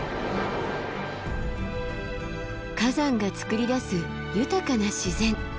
火山がつくり出す豊かな自然。